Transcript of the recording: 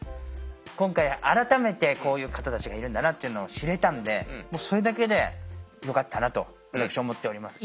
今回改めてこういう方たちがいるんだなっていうのを知れたのでもうそれだけでよかったなと私は思っております。